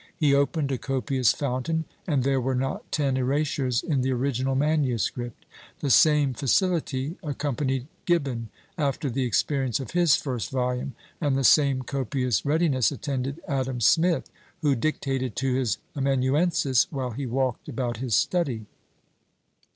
He opened a copious fountain, and there were not ten erasures in the original MS. The same facility accompanied Gibbon after the experience of his first volume; and the same copious readiness attended Adam Smith, who dictated to his amanuensis, while he walked about his study.